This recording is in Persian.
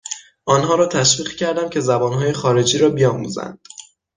آنها را تشویق کردم که زبانهای خارجی را بیاموزند.